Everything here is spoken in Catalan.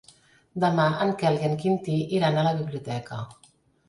Demà en Quel i en Quintí iran a la biblioteca.